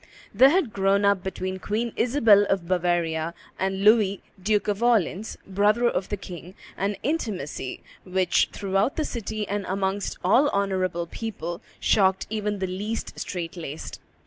There had grown up between Queen Isabel of Bavaria and Louis, Duke of Orleans, brother of the king, an intimacy which, throughout the city and amongst all honorable people, shocked even the least strait laced.